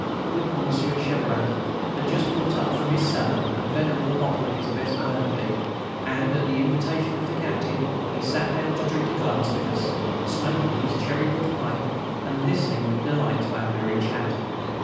Good Monsieur Cheveret had just brought up from his cellar a venerable bottle of his best Burgundy, and, at the invitation of the Captain, he sat down to drink a glass with us, smoking his cherry wood pipe and listening with delight to our merry chat.